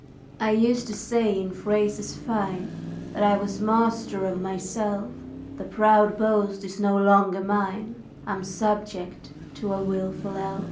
I used to say in phrases fine That I was master of myself, The proud boast is no longer mine; I'm subject to a wilful elf.